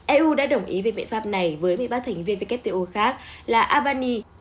eu đã đồng ý về biện pháp này với một mươi ba thành viên wto khác là abani